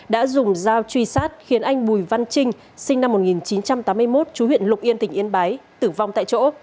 đã dùng dao truy sát khiến anh bùi văn trinh sinh năm một nghìn chín trăm tám mươi một chú huyện lục yên tỉnh yên bái tử vong tại chỗ